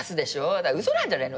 嘘なんじゃないの？